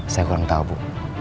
saya kurang tahu bu